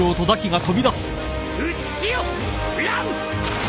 打ち潮・乱！